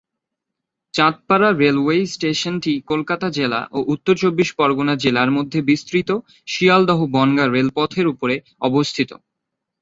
Chandpara railway স্টেশনটি কলকাতা জেলা ও উত্তর চব্বিশ পরগণা জেলার মধ্যে বিস্তৃত শিয়ালদহ বনগাঁ রেলপথের উপরে অবস্থিত।